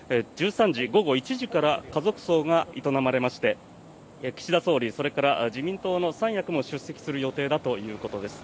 １３時、午後１時から家族葬が営まれまして岸田総理それから自民党の三役も出席する予定だということです。